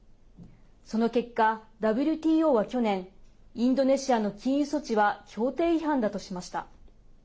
その結果、ＷＴＯは去年インドネシアの禁輸措置は協定違反だとしました。